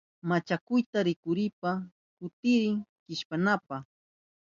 Machakuyata rikushpa kutirin kishpinanpa.